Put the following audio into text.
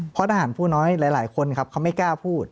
เพราะทหารผู้น้อยหลายคนครับเขาไม่กล้าพูด